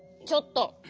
ちょっと！